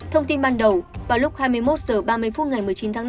thông tin ban đầu vào lúc hai mươi một h ba mươi phút ngày một mươi chín tháng năm